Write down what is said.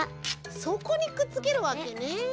そこにくっつけるわけね。